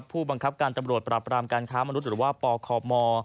ผู้บังคับการตำรวจปราบรามการค้ามนุษย์หรือว่าปคม